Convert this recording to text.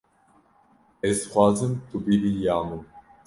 Ez dixwazim tu bibî ya min.